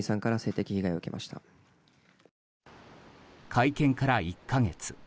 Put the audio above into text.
会見から１か月。